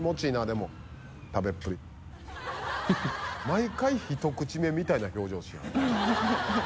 毎回ひと口目みたいな表情しはる。